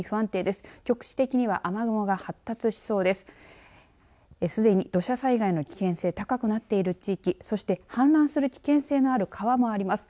すでに土砂災害の危険性高くなっている地域そして氾濫する危険性のある川もあります。